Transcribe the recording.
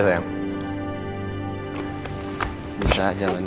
tadi kata ada yang